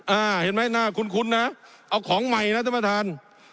อ่าเห็นไหมหน้าคุ้นนะเอาของใหม่นะท่านประธาน